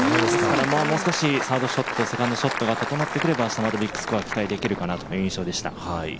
もう少しサードショット、セカンドショットが整ってくれば、サードラウンド、ビッグスコアが期待できるかなという印象でした。